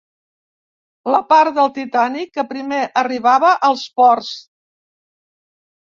La part del Titànic que primer arribava als ports.